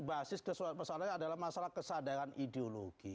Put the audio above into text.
basis persoalannya adalah masalah kesadaran ideologi